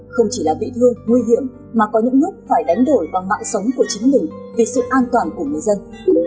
không chỉ là bị thương nguy hiểm mà có những lúc phải đánh đổi bằng mạng sống của chính mình vì sự an toàn của người dân